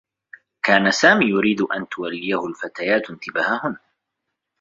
كان سامي يريد أن توليه الفتيات انتباههنّ.